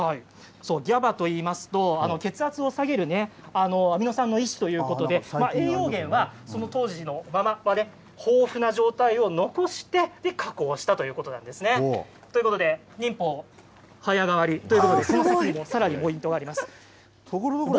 ＧＡＢＡと言いますと血圧を下げるアミノ酸の一種ということで栄養源は当時のままで豊富な状態を残して加工したということなんですね。ということで忍法早がわりということでその先にもさらにポイントがあります。